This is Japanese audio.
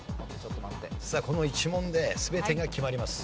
さあこの１問で全てが決まります。